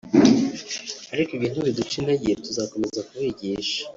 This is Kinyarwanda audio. ariko ibyo ntibiduca intege tuzakomeza kubigisha